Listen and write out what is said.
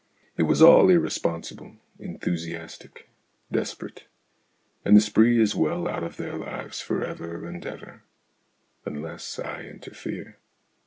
It was all irresponsible enthusiastic desperate ; and the spree is well out of their lives for ever and ever unless I interfere.